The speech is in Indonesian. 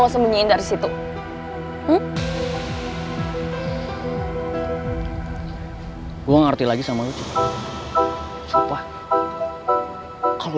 semua tuh karena karena lo